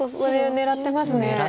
狙ってます。